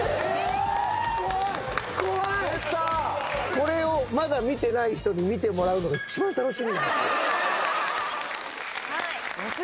これをまだ見てない人に見てもらうのが一番楽しみなんですよ。